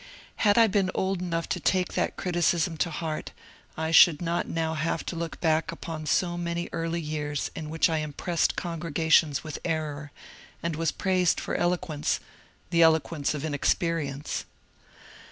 Had I been old enough to take that criticism to heart, I should not now have to look back upon so many early years in which I impressed congregations with error, and was praised for eloquence, — the eloquence of inexperience